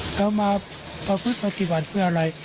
เรามาปฏิบัติเพื่ออะไร